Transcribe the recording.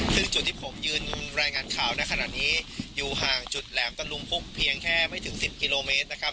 ซึ่งจุดที่ผมยืนรายงานข่าวในขณะนี้อยู่ห่างจุดแหลมตะลุมพุกเพียงแค่ไม่ถึง๑๐กิโลเมตรนะครับ